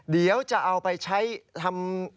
เดี๋ยวจะเอาไปใช้ทำ